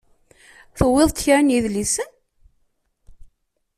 Tewwiḍ-d kra n yidlisen?